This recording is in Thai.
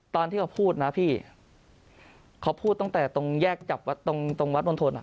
ตอนที่เขาพูดนะพี่เขาพูดตั้งแต่ตรงแยกจับวัดตรงตรงวัดมณฑลอ่ะ